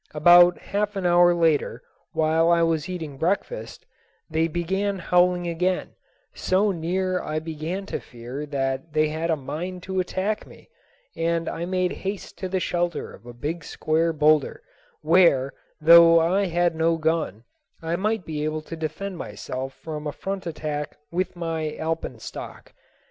About half an hour later, while I was eating breakfast, they began howling again, so near I began to fear they had a mind to attack me, and I made haste to the shelter of a big square boulder, where, though I had no gun, I might be able to defend myself from a front attack with my alpenstock.